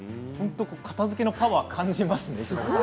片づけのパワーを感じますね。